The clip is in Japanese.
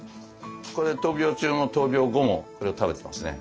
これは闘病中も闘病後もこれを食べてますね。